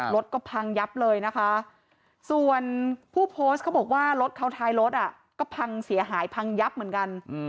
รถก็พังยับเลยนะคะส่วนผู้โพสต์เขาบอกว่ารถเขาท้ายรถก็พังเสียหายพังยับเหมือนกัน